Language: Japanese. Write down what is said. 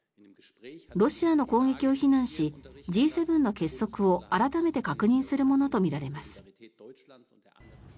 ロシアの攻撃を非難しＧ７の結束を改めて確認するものとみられます。